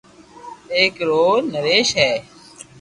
ايڪ رو نريݾ ھي